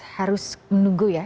harus menunggu ya